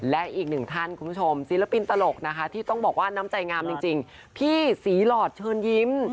และอีกหนึ่งท่านคุณผู้ชมศิลปินตลกนะคะที่ต้องบอกว่าน้ำใจงามจริงพี่ศรีหลอดเชิญยิ้ม